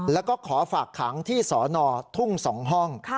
แล้วก็ขอฝากขังที่สนทุ่ง๒ห้อง